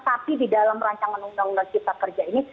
tapi di dalam perancangan undang undang kita kerja ini